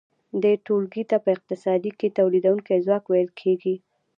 دې ټولګې ته په اقتصاد کې تولیدونکی ځواک ویل کیږي.